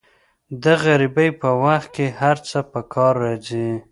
د غریبۍ په وخت کې هر څه په کار راځي.